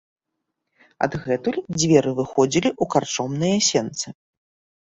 Адгэтуль дзверы выходзілі ў карчомныя сенцы.